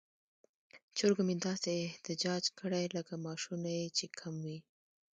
چرګو مې داسې احتجاج کړی لکه معاشونه یې چې کم وي.